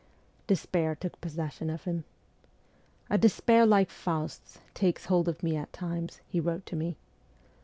Despair took possession of him. ' A despair like Faust's takes hold of me at times,' he wrote to me.